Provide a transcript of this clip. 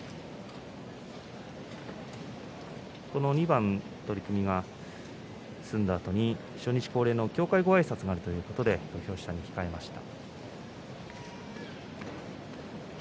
２番取組が済んだあとに初日、恒例の協会ごあいさつがあるということで土俵下に控えました。